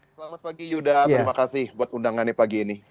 selamat pagi yuda terima kasih buat undangannya pagi ini